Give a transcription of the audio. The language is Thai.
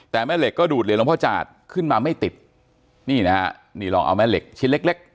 แต่แม่เหล็กก็ดูดเหรียหลวงพ่อจาดขึ้นมาไม่ติดนี่นะฮะนี่ลองเอาแม่เหล็กชิ้นเล็กเล็ก